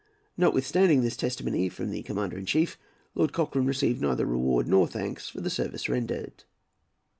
Notwithstanding this testimony from his commander in chief, Lord Cochrane neither received reward nor thanks for the service rendered.